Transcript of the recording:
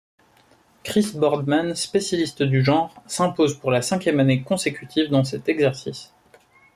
Chris Boardman, spécialiste du genre, s'impose pour la cinquième année consécutive dans cet exercice.